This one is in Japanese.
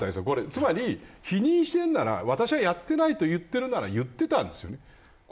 つまり、否認しているなら私はやってないと言っているなら言ってたんですよね。